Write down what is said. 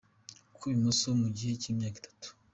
kw’ibumoso mu gihe cy’imyaka itatu.